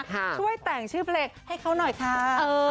ช่วยแต่งชื่อเพลงให้เขาหน่อยค่ะ